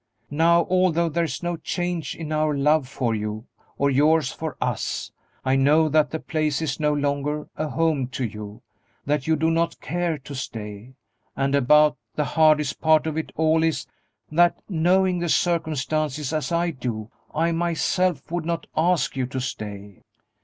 Now, although there is no change in our love for you, or yours for us, I know that the place is no longer a home to you, that you do not care to stay; and about the hardest part of it all is, that, knowing the circumstances as I do, I myself would not ask you to stay."